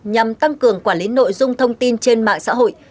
nhằm tăng cường quản lý nội dung thông tin trên mạng xã hội